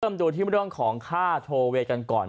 เพิ่มดูที่บริษัทของค่าโทเวกันก่อน